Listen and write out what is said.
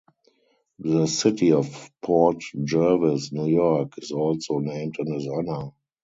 The city of Port Jervis, New York, is also named in his honor.